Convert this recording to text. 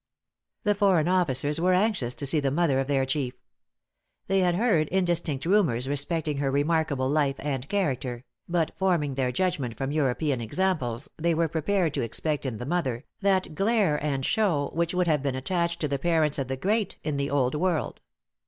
"The foreign officers were anxious to see the mother of their chief. They had heard indistinct rumors respecting her remarkable life and character; but forming their judgment from European examples, they were prepared to expect in the mother, that glare and show which would have been attached to the parents of the great in the old world.